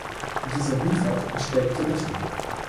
Dieser liefert und stellt die Rechnung.